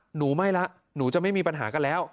หนูไม่แล้วหนูจะไม่มีปัญหากันแล้ว